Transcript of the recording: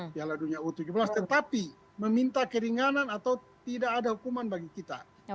piala dunia u tujuh belas tetapi meminta keringanan atau tidak ada hukuman bagi kita